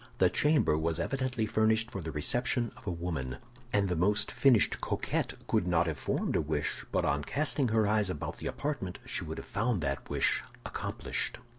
The chamber was evidently furnished for the reception of a woman; and the most finished coquette could not have formed a wish, but on casting her eyes about the apartment, she would have found that wish accomplished.